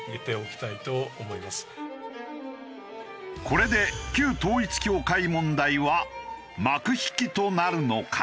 これで旧統一教会問題は幕引きとなるのか？